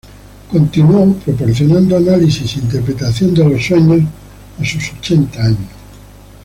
Continuó proporcionando análisis e interpretación de los sueños a sus ochenta años.